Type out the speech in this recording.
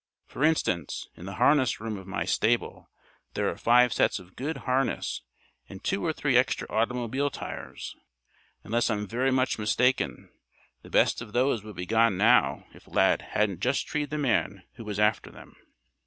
For instance, in the harness room of my stable there are five sets of good harness and two or three extra automobile tires. Unless I'm very much mistaken, the best of those would be gone now if Lad hadn't just treed the man who was after them."